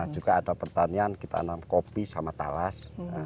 juga ada pertanian kita nanam kopi sama talas